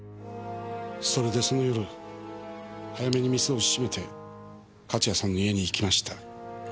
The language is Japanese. それでその夜早めに店を閉めて勝谷さんの家に行きました。